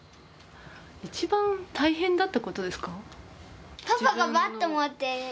一番大変だったことですか？